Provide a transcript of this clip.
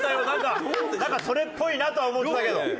なんかなんかそれっぽいなとは思ってたけど。